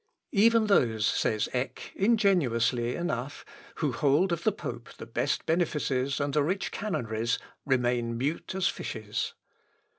"Even those," says Eck, ingenuously enough, "who hold of the pope the best benefices and the richest canonries remain mute as fishes.